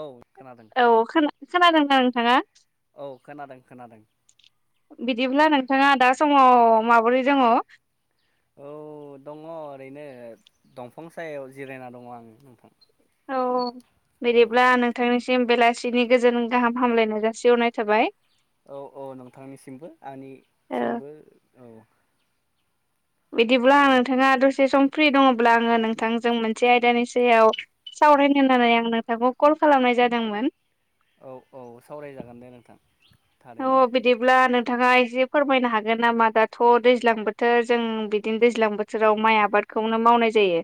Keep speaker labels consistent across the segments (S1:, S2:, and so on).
S1: औ खोनादों।
S2: खोनादों ना नोंथाङा।
S1: औ खोनादों खोनादों।
S2: बिदिब्ला नोंथाङा दा समाव माबोरै दङ।
S1: औ दङ ओरैनो दंफां सायाव जिरायना दङ आं दंफां।
S2: औ बिदिब्ला नोंथांनिसिम बेलासिनि गोजोन गाहाम हामलायनाय जासिहरनाय थाबाय।
S1: औ औ नोंथांनिसिमबो
S2: ओ
S1: आंनिसिमबो औ
S2: बिदिब्ला
S1: औ
S2: आं नोंथाङा दसे सम फ्रि दङब्ला आङो नोंथांजों मोनसे आयदानि सायाव सावरायनो होननानै आं नोंथांखौ कल खालामनाय जादोंमोन
S1: औ औ सावरायजागोन दे नोंथां थारैनो
S2: अ बिदिब्ला नों नोंथाङा एसे फोरमायनो हागोन नामा दाथ दैज्लां बोथोर जों बिदिनो दैज्लां बोथोराव माइ आबाद खौनो मावनाय जायो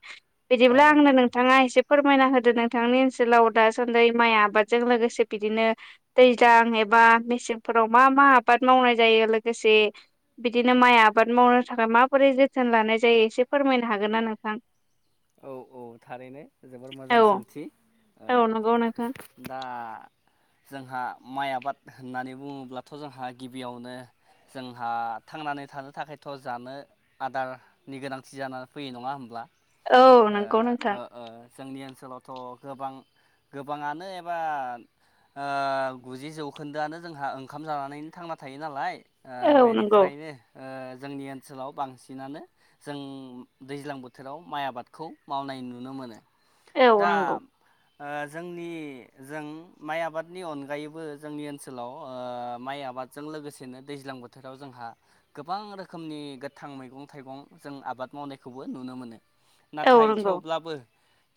S1: ओ
S2: बिदिब्ला आंनो नोंथाङा एसे फोरमायना होदो नोंथांनि ओनसोलाव दासान्दि माइ आबादजों लोगोसे बिदिनो दैज्लां बा मेसे फोराव मा मा आबाद मावनाय जायो लोगोसे बिदिनो माइ आबाद मावनो थाखाय माबोरै जोथोन लानाय जायो एसे फोरमायनो हागोन ना नोंथां
S1: औ औ थारैनो जोबोर मोजां
S2: औ
S1: सोंथि ओ
S2: औ नंगौ नोंथां।
S1: दा जोंहा माइ आबाद होननानै बुङोब्लाथ जोंहा गिबियावनो जोंहा थांनानै थानो थाखायथ' जानो आदारनि गोनांथि जानानै फैयो नङा होमब्ला
S2: औ
S1: ओ
S2: नंगौ नोंथां
S1: ओ ओ जोंनि ओनसोलावथ गोबां गोबाङानो एबा ओ गुजि जौखोन्दोआनो जोंहा ओंखाम जानानैनो थांना थायो नालाय ओ
S2: औ नंगौ
S1: बेनिफ्रायनो ओ जोंनि ओनसोलाव बांसिनानो जों दैज्लां बोथोराव माइ आबादखौ मावनाय नुनो मोनो
S2: औ
S1: दा
S2: नोंगौ
S1: ओ जोंनि जों माइ आबादनि अनगायैबो जोंनि ओनसोलाव ओ माइ आबाद आबादजों लोगोसेनो दैज्लां बोथोराव जोंहा गोबां रोखोमनि गोथां मैगं थाइगं जों आबाद आबाद मावनायखौबो नुनो मोनो
S2: औ
S1: नाथाय
S2: नंगौ
S1: थेवब्लाबो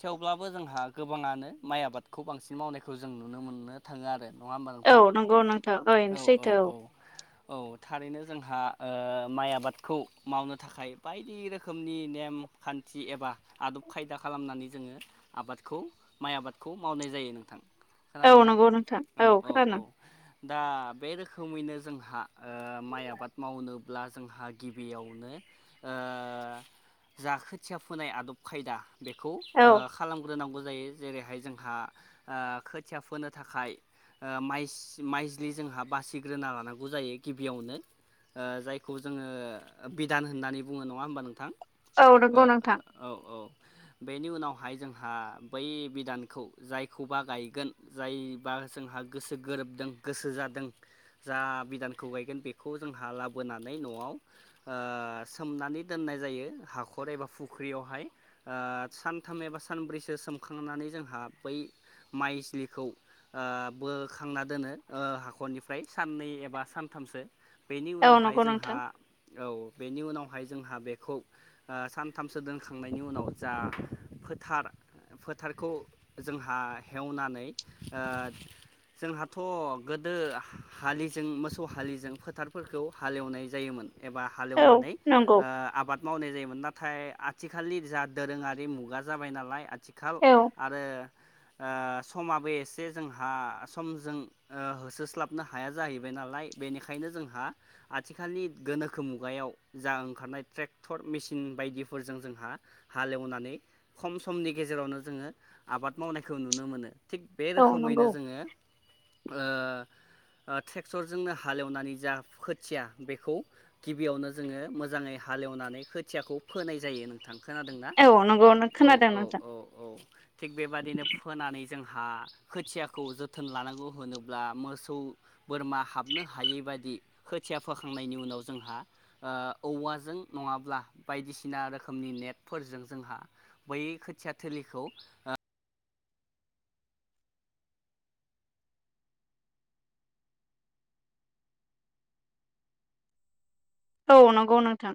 S1: थेवब्लाबो जोंहा गोबाङानो माइ आबादखौ बांसिन मावनायखौ जों नुनो मोननो थाङो आरो नङा होमबा
S2: औ
S1: नोंथां?
S2: नोंगौ नोंथां ओइनो सैथो औ
S1: औ थारैनो जोंहा ओ माइ आबादखौ मावनो थाखाय बायदि रोखोमनि नेम खान्थि एबा आदब खायदा खालामनानै जोङो आबादखौ माइ आबादखौ मावनाय जायो नोंथां
S2: औ
S1: खोनादोंना
S2: नंगौ नोंथां औ खोनादों
S1: दा बे रोखोमैनो जोंहा ओ माइ आबाद मावनोब्ला जोंहा गिबियावनो ओ जा खोथिया फोनाय आदब खायदा बेखौ
S2: औ
S1: ओ खालामग्रोनांगौ जायो जेरैहाय जोंहा ओ खोथिया फोनो थाखाय माइ माइजलि जोंहा बासिग्रोना लानांगौ जायो गिबियावनो ओ जायखौ जोङो बिधान होननानै बुङो नङा होमबा नोंथां
S2: औ नंगौ
S1: ओ
S2: नोंथां
S1: ओ औ औ बेनि उनावहाय जोंहा बै बिदानखौ जायखौबा गायगोन जायबा जोंहा गोसो गोरोबदों गोसो जादों जा बिधानखौ गायगोन बेखौ जोंहा लाबोनानै नआव ओ सोमनानै दोननाय जायो हाख खर एबा फुख्रियावहाय ओ सानथाम एबा सानब्रैसो सोमखांनानै जोंहा बै माइस्लिखौ ओ बोखांना ओ दोनो हाखरनिफ्राय साननै एबा सानथामसो बेनि
S2: औ
S1: उनावहाय
S2: नंगौ
S1: जोंहा
S2: नोंथां
S1: औ बेनि उनावहाय जोंहा बेखौ ओ सानथामसो दोनखांनायनि उनाव जा फोथार फोथारखौ जोंहा हेवनानै ओ जोंहाथ गोदो हालिजों मोसौ हालिजों फोथारफोरखौ हालेवनाय जायोमोन एबा
S2: औ
S1: हालेवनानै
S2: नंगौ
S1: ओ आबाद मावनाय जायो नाथाय आथिखालनि जा दोरोङारि मुगा जाबाय नालाय आथिखाल
S2: औ
S1: आरो ओ समाबो एसे जोंहा समजों होसोस्लाबनो हाया जाहैबाय नालाय बेनिखायनो जोंहा आथिखालनि गोनोखो मुगायाव जा ओंखारनाय ट्रेक्टर मेसिन न बायदिफोरजों जोंहा हालेवनानै खम समनि गेजेरावनो जोङो आबाद मावनायखौ खौ नुनो मोनो थिग बे
S2: औ नंगौ
S1: रोखोमैनो जोङो अ अ ट्रेक्टरजोंनो हालेवनानै जा खोथिया बेखौ गिबियावनो जोङो मोजाङै हालेवनानै खोथियाखौ फोनाय जायो नोंथां खोनादों ना
S2: औ नंगौ
S1: औ
S2: खोनादों
S1: औ
S2: नोंथां
S1: औ औ थिग बेबादिनो फोनानै जोंहा खोथियाखौ जोथोन लानांगौ होनोब्ला मोसौ बोरमा हाबनो हायै बायदि खोथिया फोखांनायनि उनाव जोंहा ओ औवाजों नङाब्ला बायदिसिना रोखोमनि नेटफोरजों जोंहा बै खोथिया थोलिखौ आ
S2: औ नंगौ नोथां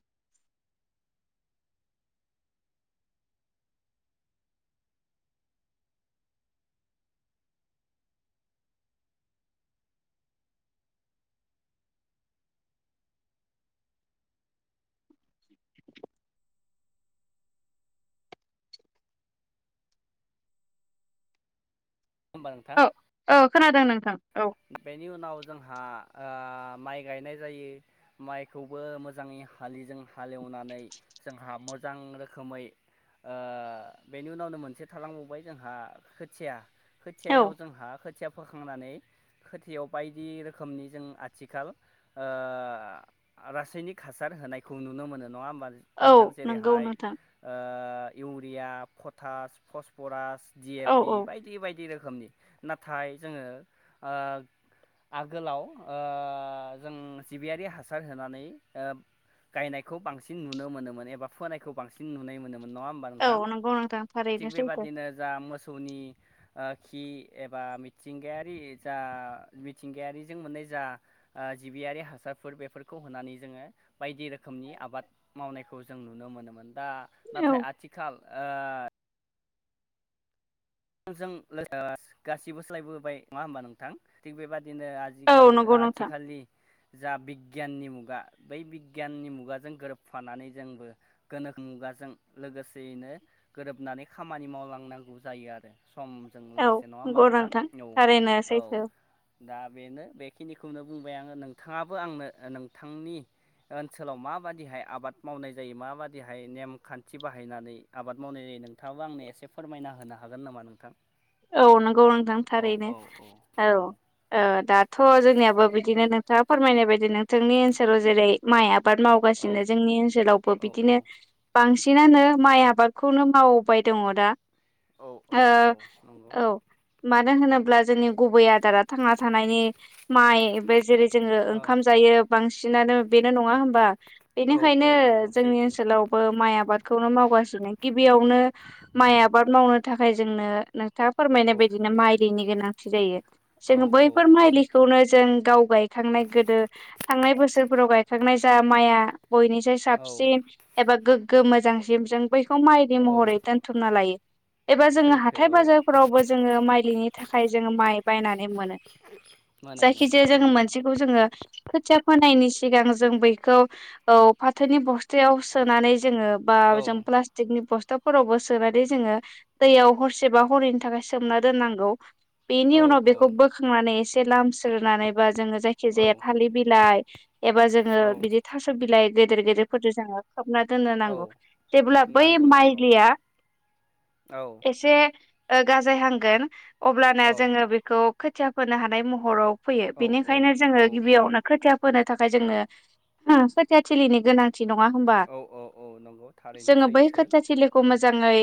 S1: होमबा नोंथां
S2: औ औ खोनादों नोंथां औ
S1: बेनि उनाव जोंहा आ माइ गायनाय जायो माइखौबो मोजाङै हालिजों हालेव नानै जोंहा मोजां रोखोमै अ बेनि उनावनो मोनसे थालांबावबाय जोंहा खोथिया
S2: औ
S1: खोथियायाव जोंहा खोथिया फोखांनानै खोथियाव बायदि रोखोमनि जों आथिखाल अ रासायनिक हासार होनायखौ नुनो मोनो नङा होमबा
S2: औ
S1: नोंथां
S2: नंगौ
S1: जेरैहाय
S2: नोंथां
S1: अ इउ रिया फतास फसरास दि ए
S2: औ
S1: पि
S2: औ
S1: बायदि बायदि रोखोमनि नाथाय जोङो ओ आगोलाव ओ जों जिबियारि हासार होनानै गायनायखौ बांसिन नुनो मोनोमोन एबा फोनायखौ बांसिन नुनो मोनोमोन नङा होमबा
S2: औ
S1: नोंथां
S2: नंगौ नोंथां
S1: थिग
S2: थारैनो सैथो
S1: बेबायदिनो जा मोसो सौनि खि एबा मिथिंगायारि जा मिथिंगायारिजों मोननाय जा जिबियारि हासारफोर बेफोरखौ होनानै जोङो बायदि रोखोमनि आबाद मावनायखौ जों नुनो मोनोमोन दा
S2: औ
S1: नाथाय आथिखाल आ जों गासिबो सोलायबोबाय नङा होमबा नोंथां थिग बेबा बिदिनो
S2: औ
S1: आथिखाल
S2: नंगौ नोंथां
S1: आथिखालनि जा बि गियाननि मुगा बै बिगियाननि मुगाजों गोरोबफानानै जोंबो गोनोखो मुगाजों लोगोसेयैनो गोरोबनानै खामानि मावलांनांगौ जायो आरो समजों
S2: औ
S1: लोगोसे नङा होमबा
S2: नंगौ
S1: नोंथां औ
S2: थारैनो
S1: औ
S2: सैथो
S1: दा बेनो बेखिनिखौ खौनो बुंबाय आङो नोंथाङाबो आंनो नोंथांनि ओनसोलाव माबादिहाय आबाद मावनाय जायो माबादिहाय नेम खान्थि बाहायनानै आबाद मावनाय दे नोंथाङाबो आंनो एसे फोरमायना होनो हागोन नामा नोंथां
S2: औ नंगौ नोंथां
S1: औ
S2: थारैनो औ अ दाथ' जोंनियाबो बिदिनो नोंथाङा फोरमायनाय बायदि नोंथांनि ओनसोलाव जेरै माइया आबाद मावगासिनो जोंनि ओनसोलावबो बिदिनो बांसिन सिनानो माइ आबादखौनो मावबाय दङ दा
S1: औ औ
S2: ओ
S1: नंगौ
S2: औ मानो होनोब्ला जोंनि गुबै आदारा थांना थानायनि माइ बे जेरै जोङो
S1: ओ
S2: ओंखाम जायो बांसिन बांसिनानो बेनो नङा होमबा
S1: औ औ
S2: बेनिखायनो
S1: नंगौ
S2: जोंनि
S1: सैथो
S2: ओनसोलावबो माइ आबाद खौनो मावगासिनो गिबियावनो माइ आबाद मावनो थाखाय जोंनो नों थाङा फोरमायनाय
S1: औ
S2: बायदिनो माइलिनि गोनांथि जायो
S1: औ
S2: जों
S1: औ
S2: बैफोर
S1: सैथो
S2: माइलिखौनो जों गाव गाय थांनाय गोदो थांनाय बोसोरफोराव गायखांनाय जा माया बयनिसाय
S1: औ
S2: साबसिन एबा गोग्गो मोजां जिब जों बैखौ माइलि
S1: औ
S2: महरै दोनथुमना लायो एबा जोङो
S1: सैथो
S2: हाथाय
S1: औ
S2: बाजारफोरावबो जोङो माइलिनि थाखाय जोङो माइ बायनानै मोनो
S1: मोनो
S2: जायखिजाया
S1: मोनो
S2: जों मोनसेखौ जों खोथिया फोनायनि सिगां जों बैखौ औ फाथोनि बस्थायाव सोनानै जोङो बा
S1: औ
S2: जों प्लासटिक नि बस्ताफोरावबो सोमनानै जोङो दैयाव हरसेबा हरनै थाखाय सोमना दोननांगौ बेनि
S1: औ
S2: उनाव बेखौ बोखांनानै एसे लामस्रोनानै बा जोङो जायखि
S1: औ
S2: जाया थालिर बिलाइ एबा जोङो
S1: औ
S2: बिदि थास' बिलाइ गेदेर गेदेरफोरजों जोङो खोबना दोननो
S1: औ
S2: नांगौ जेब्ला बै
S1: नांगौ नांगौ
S2: माइलिया
S1: औ
S2: एसे ओ गाजाय हांगोन अब्लाना
S1: औ
S2: जोङो बेखौ खोथिया फोनो हानाय महराव फैयो
S1: औ
S2: बेनिखायनो जोङो
S1: औ
S2: गिबियावनो खोथिया फोनो थाखाय जोंनो [unintelligible] खोथिया थिलिनि गोनां थि नङा होनबा
S1: औ औ औ नंगौ थारैनो
S2: जोङो बै
S1: सैथो
S2: खोथिया थिलिखौ मोजाङै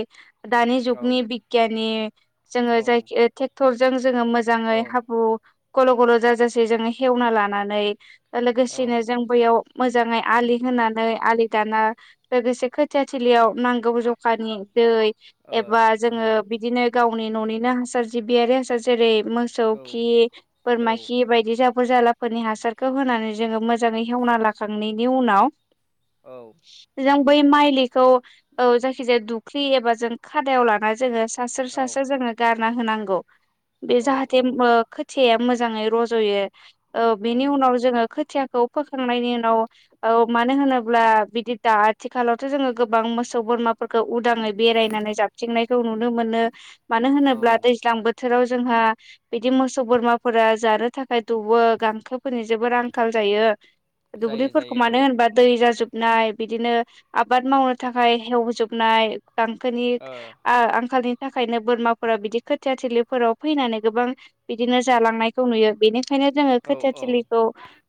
S2: दानि
S1: औ
S2: जुगनि बिग्ग्याननि जोङो
S1: औ
S2: जायख ओ थेक्टर जोङो मोजाङै
S1: औ
S2: हाब्रु गल' गल' जाजासे जोङो हेवना लानानै
S1: औ
S2: लोगोसेनो जों बैयाव मोजाङै आलि होनानै आलि दाना लोगोसे खोथिया थिलियाव नांगौ जखानि दै
S1: ओ
S2: एबा जोङो
S1: नंगौ।
S2: बिदिनो गावनि न'निनो हासार जिबियारि हासार जेरै मोसौ
S1: औ
S2: खि,
S1: औ
S2: बोरमा खि बायदि जाबोर जाला फोरनि हासारखौ होनानै जोङो मोजाङै हेवना लाखांनायनि उनाव
S1: औ
S2: जों
S1: नंगौ
S2: बै माइलिखौ जायखि जाया दु एबा जों खादायाव लानानै जोङो सास्रो
S1: औ
S2: सास्रो जोङो गारना होनांगौ। बे
S1: औ
S2: जाहाथे
S1: औ
S2: खोथिया मोजाङै रज'यो। बिनि
S1: नंगौ
S2: उनाव जोङो खोथियाखौ फोखांनायनि उनाव औ मानो होनोब्ला बिदि दा आथिखालावथ' जोङो गोबां मोसौ बोरमा फोरखौ उदाङै बेरायनानै जाबथिंनायखौ नुनो मोनो मानो होनोब्ला
S1: औ
S2: दैज्लां बोथ थोराव जोंहा बिदि मोसौ बोरमाफोरा जानो थाखाय दौवो गांसोफोरनि जेबो आंखाल जाय जायो
S1: जायो
S2: दुब्लिफोरखौ मानो
S1: जायो
S2: होनबा दै जाजोब नाय बिदिनो आबाद मावनो थाखाय हेवजोबनाय गांखोनि
S1: औ
S2: आ- आं खालनि थाखायनो बोरमाफोरा बिदि खोथिया थिलिफोराव फैनानै गोबां बिदिनो जालांनायखौ नुयो बेनि खायनो जोङो
S1: ओ
S2: खोथिया
S1: औ औ
S2: थिलिखौ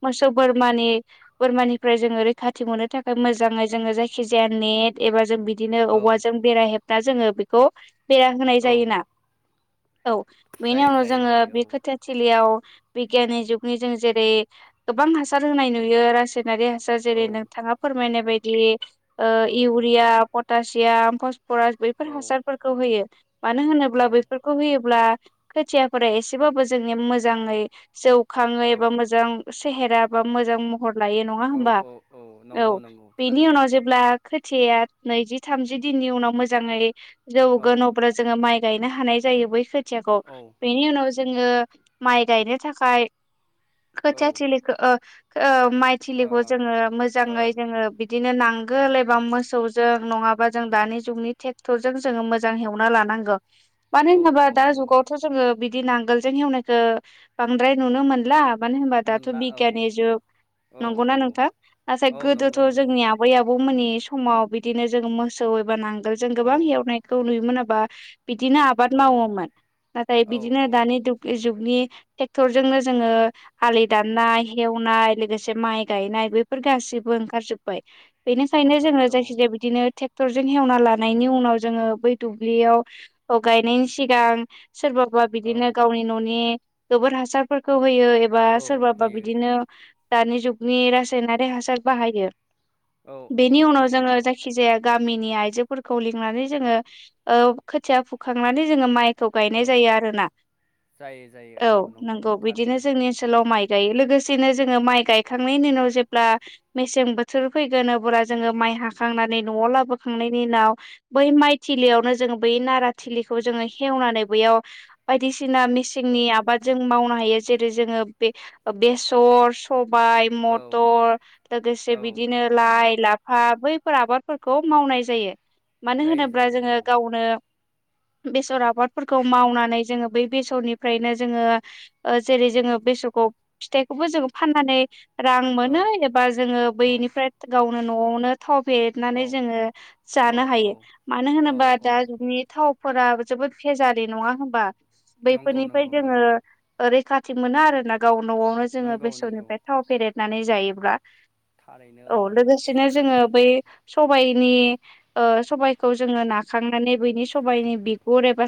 S2: मोसौ बोरमानि- बोरमानिफ्राय जोङो रैखाथि मोननो थाखाय मोजाङै जोङो जायखि जाया नेट एबा जों बिदिनो
S1: औ
S2: औवाजों बेरा हेबना जोङो बेखौ बेरा होनाय
S1: औ
S2: जायोना। औ बेनि
S1: जायो
S2: उनाव
S1: जायो
S2: जोङो
S1: जायो
S2: बे खोथिया थिलियाव बिगियाननि जुगनि जों जेरै गोबां हासार होनाय नुयो रासाय नारि हासार जेरै
S1: औ
S2: नोंथाङा फोरमायनाय बायदि
S1: औ
S2: इउरिया, पटासियाम फस फरास
S1: औ
S2: बैफोर हासारफोरखौ होयो मानो होनोब्ला
S1: औ
S2: बैफोरखौ होयोब्ला खोथियाफोरा एसेबाबो जोंनि मोजाङै जौखाङै एबा मोजां सेेहेरा बा मोजां महर लायो नङा
S1: औ
S2: होमबा औ
S1: नंगौ नंगौ
S2: बेनि उनाव
S1: थारैनो
S2: जेब्ला खोथिया नैजि थामजि दिननि उनाव मोजाङै जौगोन
S1: औ
S2: अब्ला जोङो माइ गायनो हानाय जायो बै खोथियाखौ
S1: औ
S2: बेनि उनाव जोङो माइ गायनो थाखाय खोथिया
S1: औ
S2: थिलिखौ माइ थिलिखौ
S1: ओ
S2: जोङो मोजाङै
S1: ओ
S2: जोङो दिनो नांगोल एबा मोसौजों नङाबा जों दानि जुगनि थेक्टर जों जोङो मोजां हेवना लानांगो मानो
S1: औ
S2: होनोबा
S1: औ
S2: दा
S1: नंगौ
S2: जुगाथ' जोङो बि दि नांगोलजों हेवनायखो बांद्राय नुनो मोनला मानो होनबा दाथ'
S1: मोनला औ
S2: बिगियाननि जुग
S1: औ
S2: नंगौना
S1: औ
S2: नोंथां नाथाय
S1: औ
S2: गोदोथ'
S1: नंगौ नंगौ
S2: जोंनि आबै आबौमोननि समाव बिदिनो जों मोसौ एबा नांगोल जों
S1: औ
S2: गोबां हेवनायखौ नुयोमोन ओबा बिदिनो आबाद
S1: औ
S2: मावोमोन नाथाय
S1: औ
S2: बिदिनो
S1: औ
S2: दानि जुगनि ट्रेक्टरजोंनो जोङो आलि दाननाय हेवनाय लोगोसे माइ गायनाय बेैफोर गासि बो ओंखार जोबबाय बेनिखायनो जोङो
S1: ओंखारबाय औ
S2: जायखि जाया बिदिनो ट्रेक्टरजों हेवना लाना नायनि उनाव जोङो बै दुब्लियाव गायनायनि सिगां सोरबाबा
S1: औ
S2: बिदिनो गावनि न'नि गोबोर हासारफोरखौ होयो एबा
S1: औ
S2: सोरबाबा
S1: होयो
S2: बिदिनो दानि जुगनि रासायनारि हासार बाहायो।
S1: औ औ
S2: बेनि उनाव
S1: नंगौ
S2: जोङो
S1: नंगौ
S2: जायखि जाया गामिनि आइजो फोरखौ लिंनानै जोङो ओ खोथिया फुखांनानै जोङो माइ गायनाय
S1: औ
S2: जायो आरोना न।
S1: जायो जायो
S2: औ नंगौ बिदिनो
S1: थारैनो
S2: जोंनि ओनसोलाव माइ गायो लोगोसेनो जोङो माइ गायखांनायनि उनाव जेब्ला मेसें बोथोर फैगोन अब्ला जोङो माइ हाखांनानै न'आव लाबोखांनाय नि उनाव बै माइ थिलियावनो जोङो बै नारा थिलिखौ जोङो हेवनानै बैयाव बायदिसि सिना मेसिंनि
S1: औ
S2: आबाद जों मावनो हायो जेरै जोङो बे बेसर स बाइ
S1: औ
S2: मथर लोगोसे बिदिनो लाइ ला फा बैफोर आबादफोरखौ मावनाय जायो मानो
S1: जायो
S2: होनोब्ला जोङो
S1: जायो
S2: गावनो बेसर आबादफोरखौ मावनानै जोङो बै बेसरनिफ्रायनो जोङो जेरै- जोङो बेसरखौ फिथाइखौबो जों फाननानै रां
S1: औ
S2: मोनो एबा जोङो
S1: औ
S2: बैनिफ्राय गावनो न'आवनो थाव
S1: औ
S2: फरनानै जोङो जानो हायो।
S1: औ
S2: मानो
S1: औ
S2: होनोबा दा
S1: औ
S2: जोंनि थावफोरा जोबोद भेजारि नङा होनबा
S1: नंगौ
S2: बैफोरनिफ्राय
S1: नंगौ नंगौ
S2: जोङो रैखाथि मोनो आरो ना गाव न'आवनो जोङो
S1: नंगौ नंगौ
S2: बेसरनिफ्राय थाव फदेदनानै जायोब्ला औ लोगोसेनो जोङो
S1: थारैनो
S2: बै सबायाइनि ओ सबबायखौ जोङो नाखांनानै बैनि सबायाइनि बिगुर एबा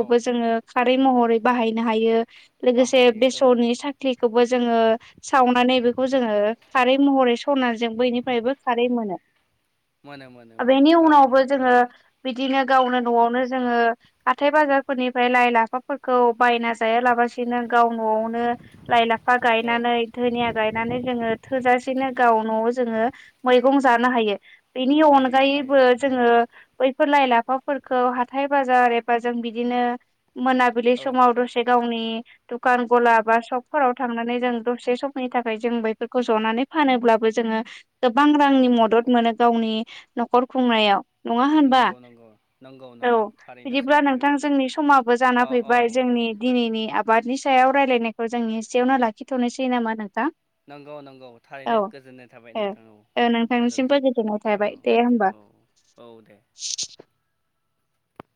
S1: औ
S2: जोङो खारै महरै बाहायनो हायो लोगोसे
S1: बाहायो औ
S2: बेसरनि साख्रिखौबो जोङो सावनानै बे खौ जोङो खारै महरै सरनाजों बैनिफ्रायबो खारै मोनो
S1: मोनो मोनो मोनो
S2: बेनि
S1: थारैनो
S2: उनावबो जोङो
S1: औ
S2: बिदिनो गावनो न'आवनो जोङो हाथाय बाजारफोरनिफ्राय लाइ लाफाफोरखौ बायना जायालाबसिनो गाव न'आवनो लाइ लाफा
S1: औ
S2: गायनानै धोनिया गायनानै जोङो थोजासेनो गाव न'आव जोङो मैगं जानो हायो बेनि
S1: हायो
S2: अनगायैबो
S1: हायो
S2: जोङो फोरोलाय लाफाफोरखौ हाथाय बाजार एबा जों बिदिनो मोनाबिलि
S1: औ
S2: समाव दसे गावनि दुखान गला बा सपफोराव थांनानै जों दसे समनि थाखाय जों बैफोरखौ जनानै फानोब्लाबो जों जोङो गोबां
S1: औ
S2: रांनि मदद मोनो गावनि न'खर खुंनायाव। नङा होनबा।
S1: नंगौ नंगौ नंगौ
S2: औ
S1: नंगौ थारैनो
S2: बिदिब्ला
S1: सैथो
S2: नोंथां जोंनि समाबो जाना
S1: अ औ
S2: फैबाय जों जोंनि दिनैनि आबादनि सायाव रायलायनायखौ जोंनि एसेयावनो लाखिथ'नोसै नामा नोंथां
S1: नंगौ नंगौ
S2: औ
S1: थारैनो गोजोननाय थाबाय
S2: ओ
S1: नोंथां। औ
S2: ओ नोंथांनिसिमबो
S1: गोजोनथों।
S2: गोजोननाय
S1: औ
S2: थाबाय दे होमबा।
S1: औ औ दे